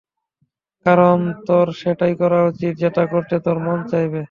কারণ তোর সেটাই করা উচিত, যেটা করতে তোর মন চাইবে।